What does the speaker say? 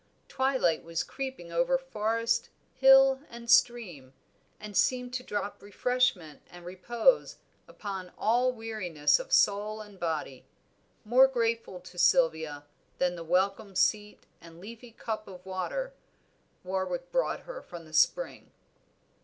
Twilight was creeping over forest, hill, and stream, and seemed to drop refreshment and repose upon all weariness of soul and body, more grateful to Sylvia, than the welcome seat and leafy cup of water Warwick brought her from the spring.